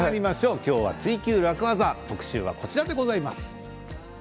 今日は「ツイＱ楽ワザ」特集はこちらでございます。